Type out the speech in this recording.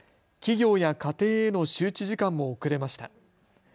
企業や家庭への周知時間も遅れました。